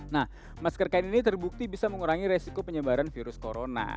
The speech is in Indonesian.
nah masker kain ini terbukti bisa mengurangi resiko penyebaran virus corona